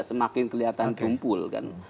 semakin kelihatan kumpul